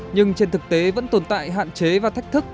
nhưng trên thực tế vẫn tồn tại hạn chế và thách thức